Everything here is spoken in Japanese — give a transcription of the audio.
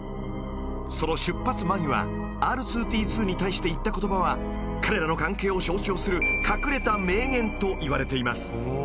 ［その出発間際Ｒ２−Ｄ２に対して言った言葉は彼らの関係を象徴する隠れた名言といわれています］